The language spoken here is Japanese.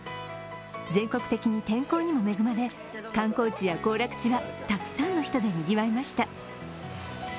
全国的に天候にも恵まれ、観光地や行楽地はたくさんの人でにぎわいました。